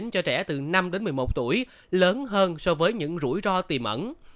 cho trẻ từ năm đến một mươi một tuổi lớn hơn so với những rủi ro tiềm ẩn